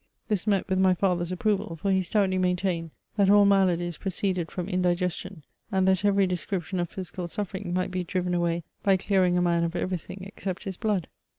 This met with my Other's approval, for he stoutly maintained that all maladies proceeded from indigestion, and that every description of physical suffering might be driven away by clearing a man of everything except his blood.